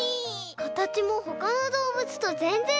かたちもほかのどうぶつとぜんぜんちがう！